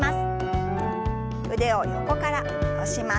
腕を横から下ろします。